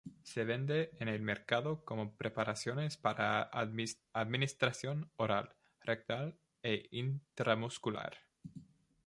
Se vende en el mercado como preparaciones para administración oral, rectal e intramuscular.